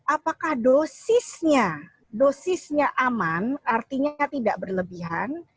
apakah dosisnya dosisnya aman artinya tidak berlebihan